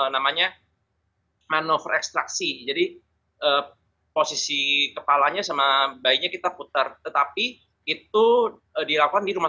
namanya manuver ekstraksi jadi posisi kepalanya sama bayinya kita putar tetapi itu dilakukan di rumah